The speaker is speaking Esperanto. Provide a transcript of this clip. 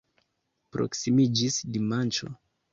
Proksimiĝis dimanĉo.